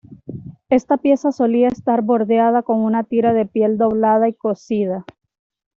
Esta pieza solía estar bordeada con una tira de piel doblada y cosida.